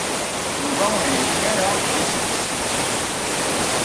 Yuba ur yelli ara isett.